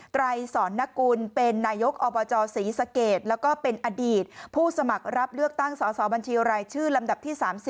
ไรสอนนกุลเป็นนายกอบจศรีสะเกดแล้วก็เป็นอดีตผู้สมัครรับเลือกตั้งสอสอบัญชีรายชื่อลำดับที่๓๐